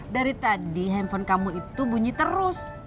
dari tadi handphone kamu itu bunyi terus